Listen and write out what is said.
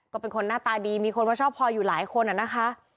ก็เป็นคนหน้าตาดีมีคนมาชอบพออยู่หลายคนนะคะ